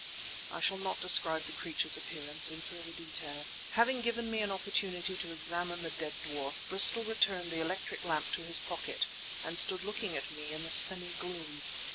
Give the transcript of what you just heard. I shall not describe the creature's appearance in further detail. Having given me an opportunity to examine the dead dwarf, Bristol returned the electric lamp to his pocket and stood looking at me in the semi gloom.